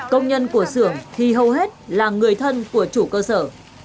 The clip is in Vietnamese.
công nhân của xưởng thì hầu hết là người thân của chủ cơ sở